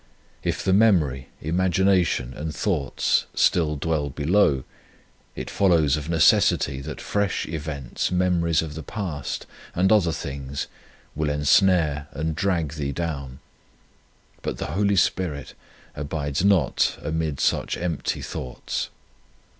If the memory, imagination, and thoughts still dwell below, it follows of necessity that fresh events, memories of the past, and other things will ensnare and drag thee down. But the Holy Spirit abides not amid such empty thoughts.